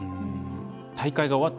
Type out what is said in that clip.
大会が終わった